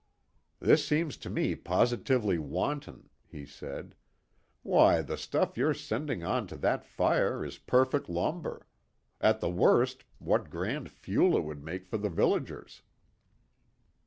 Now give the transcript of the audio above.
"This seems to me positively wanton," he said. "Why, the stuff you're sending on to that fire is perfect lumber. At the worst, what grand fuel it would make for the villagers."